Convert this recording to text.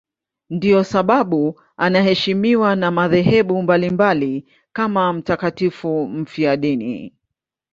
Ndiyo sababu anaheshimiwa na madhehebu mbalimbali kama mtakatifu mfiadini.